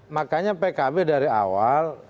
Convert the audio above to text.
makanya pkb dari awal